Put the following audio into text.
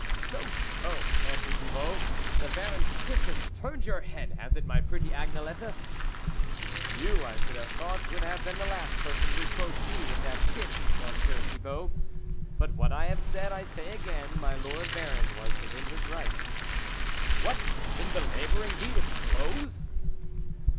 " So, so !" answered Thibault, " the Baron's kiss has turned your head, has it, my pretty Agnelette ?" "You, I should have thought, would have been the last person to reproach me with that kiss, Monsieur Thibault. But what I have said, I say again ; my Lord Baron was within his rights." "What, in belabouring me with blows